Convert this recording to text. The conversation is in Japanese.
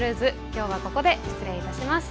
今日はここで失礼いたします。